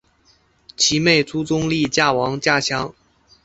其妹朱仲丽嫁王稼祥。